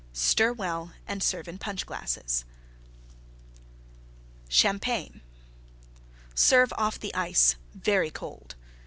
Stir well and serve in Punch glasses. CHAMPAGNE Serve off the Ice very cold.